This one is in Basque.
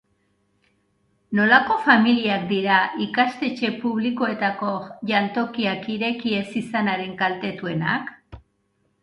Nolako familiak dira ikastetxe publikoetako jantokiak ireki ez izanaren kaltetuenak?